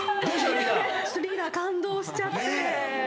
リーダー感動しちゃって。